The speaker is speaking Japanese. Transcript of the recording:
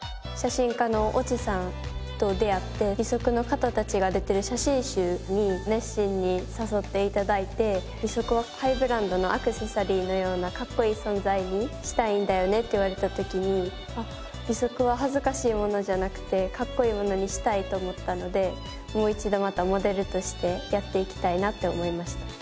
写真家の越智さんと出会って義足の方たちが出てる写真集に熱心に誘って頂いて義足をハイブランドのアクセサリーのようなかっこいい存在にしたいんだよねって言われた時に義足は恥ずかしいものじゃなくてかっこいいものにしたいと思ったのでもう一度またモデルとしてやっていきたいなって思いました。